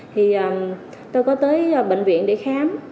thì tôi có tới bệnh viện để khám